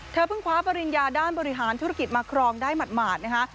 เพิ่งคว้าปริญญาด้านบริหารธุรกิจมาครองได้หมาดนะคะ